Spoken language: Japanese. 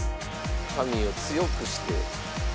紙を強くして。